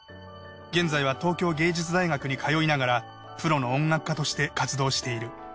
現在は東京藝術大学に通いながらプロの音楽家として活動している。